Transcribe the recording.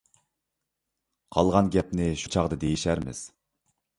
قالغان گەپنى شۇ چاغدا دېيىشەرمىز.